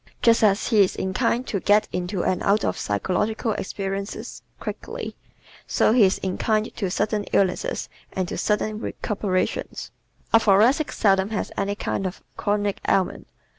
Just as he is inclined to get into and out of psychological experiences quickly, so he is inclined to sudden illnesses and to sudden recuperations. A Thoracic seldom has any kind of chronic ailment.